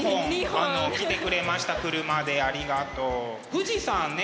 富士山ね